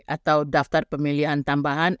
atau daftar pemilihan tambahan